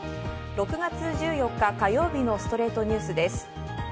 ６月１４日、火曜日の『ストレイトニュース』です。